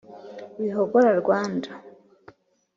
Wihogora Rwanda